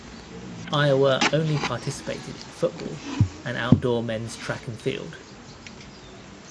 Iowa only participated in football and outdoor men's track and field.